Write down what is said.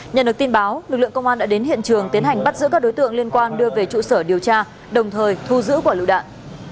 nhận được tin báo lực lượng công an đã đến hiện trường tiến hành bắt giữ các đối tượng liên quan đưa về trụ sở điều tra đồng thời thu giữ quả lựu đạn